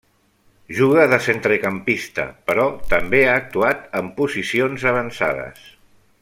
Juga de centrecampista però també ha actuat en posicions avançades.